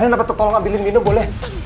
rena betul tolong ambilin minum boleh